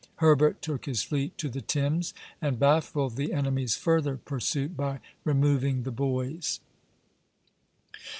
Herbert took his fleet to the Thames, and baffled the enemy's further pursuit by removing the buoys.